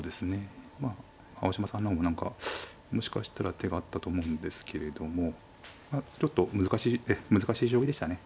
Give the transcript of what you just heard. まあ青嶋さんの方も何かもしかしたら手があったと思うんですけれどもちょっと難しいええ難しい将棋でしたね。